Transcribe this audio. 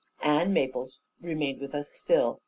Ann Maples remained with us still.